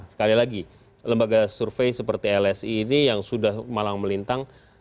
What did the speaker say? sekali lagi lembaga survei seperti lsi ini yang sudah malang melintang